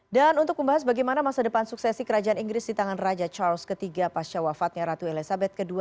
dan untuk membahas bagaimana masa depan suksesi kerajaan inggris di tangan raja charles iii pasca wafatnya ratu elizabeth ii